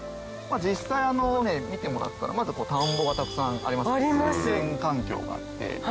実際見てもらったらまず田んぼがたくさんありますよね水田環境があって。